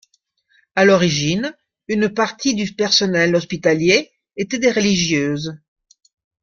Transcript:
À l'origine, une partie du personnel hospitalier était des religieuses.